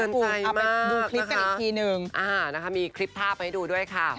เอาไปดูคลิปกันอีกทีนึงมีคลิปภาพให้ดูด้วยค่ะ